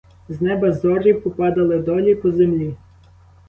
З неба зорі попадали долі, по землі.